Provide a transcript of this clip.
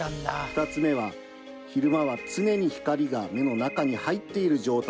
２つ目は昼間は常に光が目の中に入っている状態です。